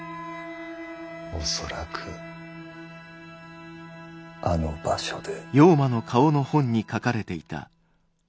恐らくあの「場所」で。